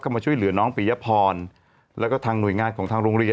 มาช่วยเหลือน้องปียพรแล้วก็ทางหน่วยงานของทางโรงเรียน